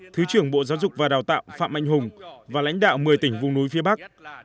thứ trưởng bộ giáo dục và đào tạo phạm anh hùng và lãnh đạo một mươi tỉnh vùng núi phía bắc